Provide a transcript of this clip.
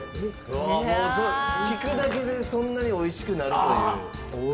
ひくだけでそんなにおいしくなるという。